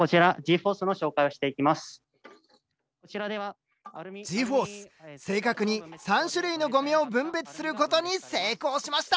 ｆｏｒｔｈ正確に３種類のゴミを分別することに成功しました！